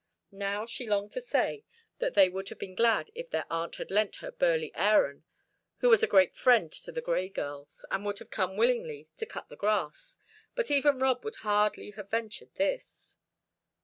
Now she longed to say that they would have been glad if their aunt had lent her burly Aaron, who was a great friend to the Grey girls, and would have come willingly, to cut the grass, but even Rob would hardly have ventured this.